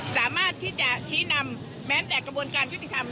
สามารถที่จะชี้นำแม้แต่กระบวนการยุติธรรม